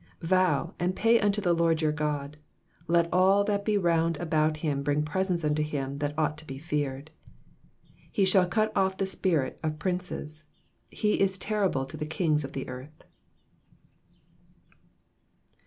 11 Vow, and pay unto the LORD your God: let all that be round about him bring presents unto him that ought to be feared. 12 He shall cut off the spirit of princes : /le is terrible to the kings of the earth.